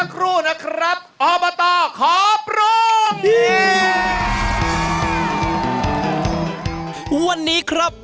ขอบคุณด้วยนะครับ